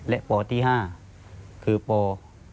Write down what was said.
และโปรที่๕คือโปร